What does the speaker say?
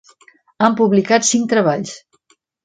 Han publicat cinc treballs.